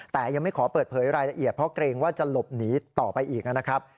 แต่ยังไม่ขอเปิดเผยรายละเอียดเพราะเกรงว่าจะหลบหนีต่อไปอีกนะครับ